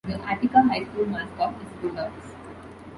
The Attica High School mascot is Bulldogs.